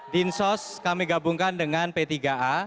dinsos kami gabungkan dengan p tiga a